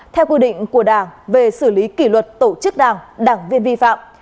theo quy định của đảng về xử lý kỷ luật tổ chức đảng đảng viên vi phạm